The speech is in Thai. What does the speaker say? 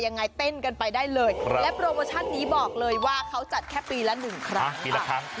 ยังไงเต้นกันไปได้เลยและโปรโมชั่นนี้บอกเลยว่าเขาจัดแค่ปีละหนึ่งครั้งปีละครั้ง